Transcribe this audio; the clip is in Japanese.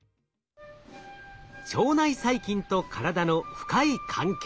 腸内細菌と体の深い関係。